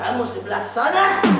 aku sebelah sana